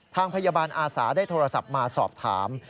ทางพยาบาลอาสาได้โทรศัพท์มาสอบถาม